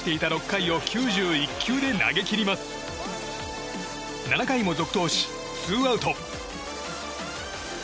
７回も続投し、ツーアウト。